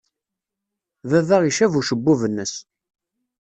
Baba icab ucebbub-nnes.